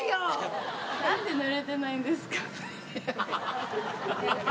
なんでぬれてないんですか？